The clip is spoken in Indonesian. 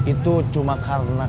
itu cuma karena